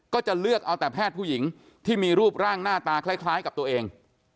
ก็จะเลือกเอาแต่แพทย์ผู้หญิงที่มีรูปร่างหน้าตาคล้ายกับตัวเอง